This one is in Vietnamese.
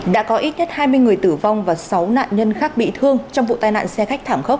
đã có ít nhất hai mươi người tử vong và sáu nạn nhân khác bị thương trong vụ tai nạn xe khách thảm khốc